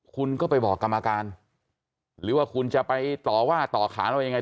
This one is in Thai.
คุณก็ไปบอกกรรมการหรือว่าคุณจะไปต่อว่าต่อขานว่ายังไง